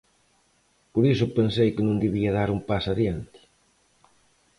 Por iso pensei que non debía dar un paso adiante.